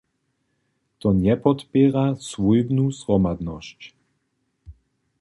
To njepodpěra swójbnu zhromadnosć.